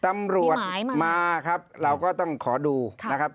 ตำรวจมาครับเราก็ต้องขอดูนะครับ